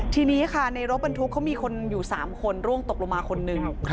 ทีนี้ค่ะในรถบรรทุกเขามีคนอยู่๓คนร่วงตกลงมาคนหนึ่ง